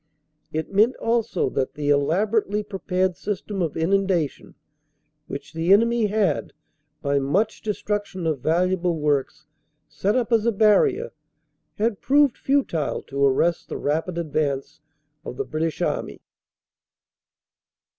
It meant also that the elaborately prepared system of inundations which the enemy had, by much destruction of valuable works, set up as a barrier, had proved futile to arrest the rapid advance of the British Army.